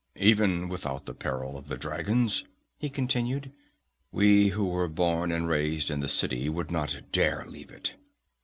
"Even without the peril of the dragons," he continued, "we who were born and raised in the city would not dare leave it.